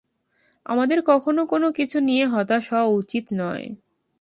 আমাদের কখনো কোনো কিছু নিয়ে হতাশ হওয়া উচিত নয়!